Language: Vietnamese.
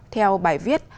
theo bài viết